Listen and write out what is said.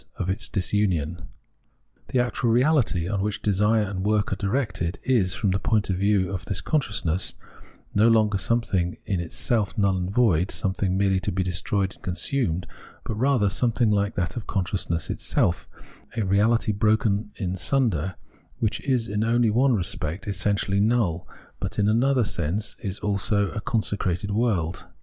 of its disunion. The actual reahty, on which desire and work are directed, is, from the point of view of this consciousness, no longer something in itself null and void, something merely to be destroyed and consumed ; but rather something hke that consciousness itself, a reahty broken in sunder, which is only in one respect essentially null, but in another sense also a consecrated world.